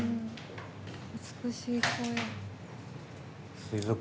美しい声。